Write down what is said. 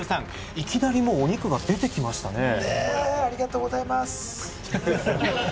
いきなりもうお肉が出てきましたねねえありがとうございます